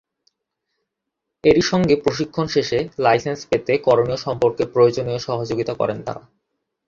এরই সঙ্গে প্রশিক্ষণ শেষে লাইসেন্স পেতে করণীয় সম্পর্কে প্রয়োজনীয় সহযোগিতা করেন তাঁরা।